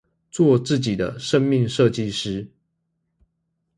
做自己的生命設計師